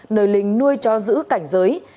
nơi linh nuôi cho giữ cảnh giới